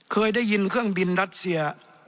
เคยได้ยินเครื่องบินรัสเซีย